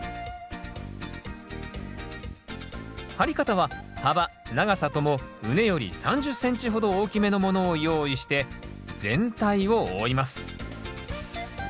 張り方は幅長さとも畝より３０ｃｍほど大きめのものを用意して全体を覆います。